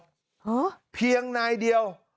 เหรอเพียงนายเดียว